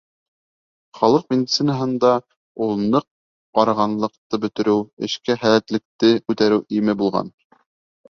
Халыҡ медицинаһында ул ныҡ арығанлыҡты бөтөрөү, эшкә һәләтлелекте күтәреү име булған.